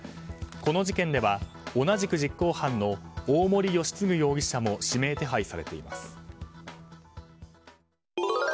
この事件では同じく実行犯の大森由嗣容疑者も指名手配されています。